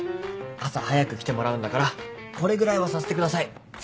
朝早く来てもらうんだからこれぐらいはさせてください。